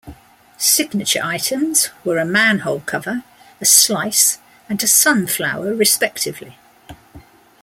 Signature items were a manhole cover, a slice, and a sunflower respectively.